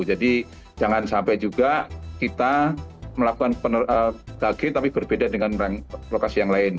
jadi jangan sampai juga kita melakukan gage tapi berbeda dengan lokasi yang lain